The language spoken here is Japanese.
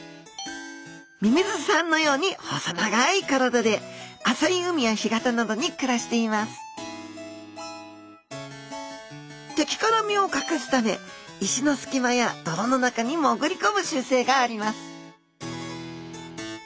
ミミズさんのように細長い体で浅い海や干潟などに暮らしています敵から身を隠すため石のすき間や泥の中に潜り込む習性があります